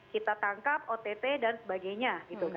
kita tangkap ott dan sebagainya